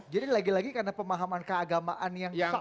jadi lagi lagi karena pemahaman keagamaan yang terang